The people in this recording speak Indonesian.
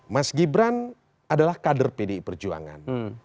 mas gibran adalah kader pdi perjuangan